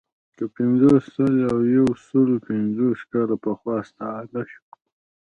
که پنځوس، سل او یو سلو پنځوس کاله پخوا ستانه شو.